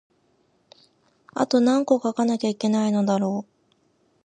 あとなんこ書かなきゃいけないのだろう